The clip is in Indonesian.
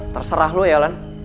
terserah lo ya lan